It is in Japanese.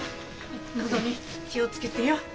のぞみ気を付けてよ。